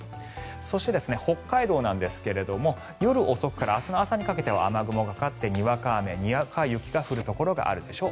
そして北海道ですが夜遅くから明日朝にかけて雨雲がかかってにわか雨にわか雪が降るところがあるでしょう。